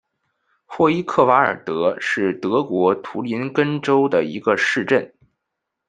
霍伊克瓦尔德是德国图林根州的一个市镇。